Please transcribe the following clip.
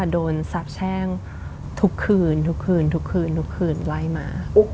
โดนสาบแช่งทุกคืนไล่มา